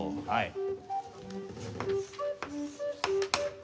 はい。